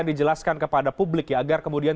dijelaskan kepada publik ya agar kemudian